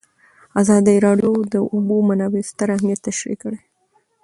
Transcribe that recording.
ازادي راډیو د د اوبو منابع ستر اهميت تشریح کړی.